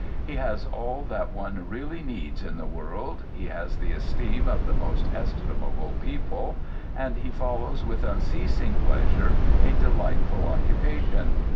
He has all that one really needs in the world, he has the esteem of the most estimable people, and he follows with unceasing pleasure a delightful occupation.